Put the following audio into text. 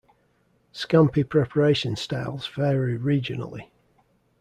Scampi preparation styles vary regionally.